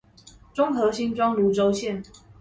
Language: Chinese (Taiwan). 中和新莊蘆洲線